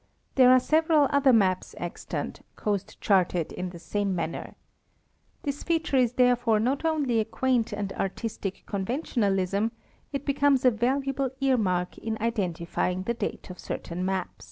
There are several other maps extant coast charted in the same manner. This feature is therefore not only a quaint and artistic conventionalism ; it becomes a valuable ear mark in identifying the date of certain maps.